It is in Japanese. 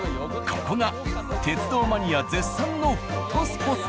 ここが鉄道マニア絶賛のフォトスポット。